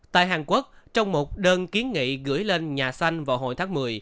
tại hàn quốc trong một đơn kiến nghị gửi lên nhà xanh vào hồi tháng một mươi